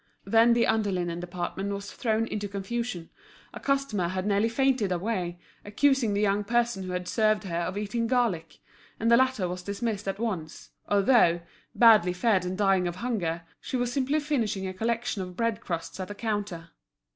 Then the underlinen department was thrown into confusion, a customer had nearly fainted away, accusing the young person who had served her of eating garlic; and the latter was dismissed at once, although, badly fed and dying of hunger, she was simply finishing a collection of bread crusts at the counter.